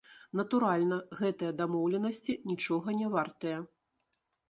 Натуральна, гэтыя дамоўленасці нічога не вартыя.